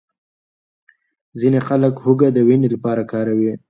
ځینې خلک هوږه د وینې لپاره کاروي.